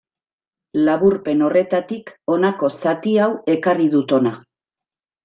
Laburpen horretatik honako zati hau ekarri dut hona.